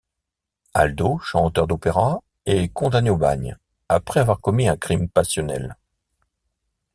Aldo, chanteur d'opéra, est condamné au bagne après avoir commis un crime passionnel.